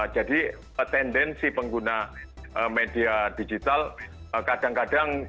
jadi tendensi pengguna media digital kadang kadang